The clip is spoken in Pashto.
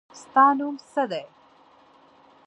ستا نوم څه دی ؟